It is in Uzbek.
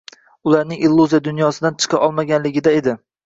ularning “illyuziya dunyosi”dan chiqa olmaganligida edi.